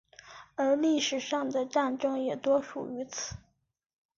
而历史上的战争也多属于此。